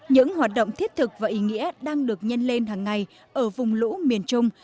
những hoạt động thiết thực và ý nghĩa đang được nhân lên hàng ngày ở vùng lũ miền trung